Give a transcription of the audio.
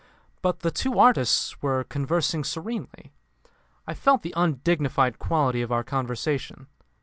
But the two artists were conversing serenely. I felt the undignified quality of our conversation.